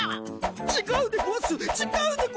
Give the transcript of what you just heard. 違うでゴワス違うでゴワス！